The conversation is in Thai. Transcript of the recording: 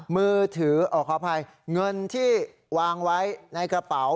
มือถือขออภัยเงินที่วางไว้ในกระเป๋า